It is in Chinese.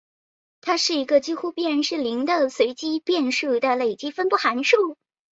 它是一个几乎必然是零的随机变数的累积分布函数。